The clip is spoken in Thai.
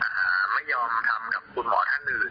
เพราะว่าคุณหมอเขาอาจจะอยากรอผมมากกว่าอะไรอย่างนี้นะครับ